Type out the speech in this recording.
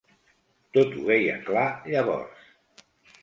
Tot ho veia clar llavors